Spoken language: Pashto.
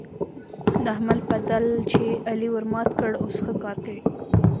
د احمد پدل چې علي ورمات کړ؛ اوس ښه کار کوي.